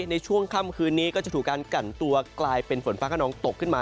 ในช่วงค่ำคืนนี้ก็จะถูกการกันตัวกลายเป็นฝนฟ้าขนองตกขึ้นมา